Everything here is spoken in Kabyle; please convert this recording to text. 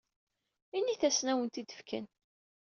Init-asen ad awen-t-id-fken.